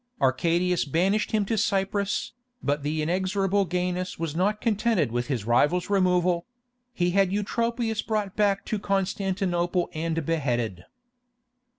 Arcadius banished him to Cyprus, but the inexorable Gainas was not contented with his rival's removal; he had Eutropius brought back to Constantinople and beheaded.